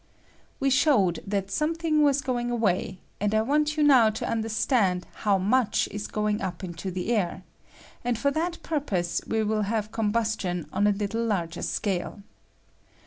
We showed that something was going away; and I want you now to understand bow much is going up into the air ; and for that purpose we will have com bustion on a little larger scale.